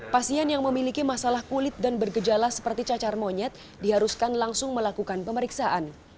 pasien yang memiliki masalah kulit dan bergejala seperti cacar monyet diharuskan langsung melakukan pemeriksaan